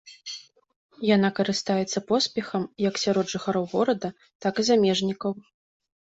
Яна карыстаецца поспехам як сярод жыхароў горада, так і замежнікаў.